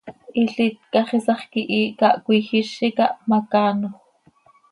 Hilít quih hax iisax quihiih cah cöijizi cah hpmacaanoj.